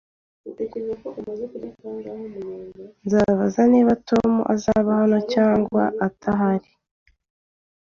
Ndabaza niba Tom azaba hano ejo cyangwa ntahari